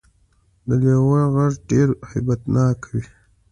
د لیوه غږ ډیر هیبت ناک وي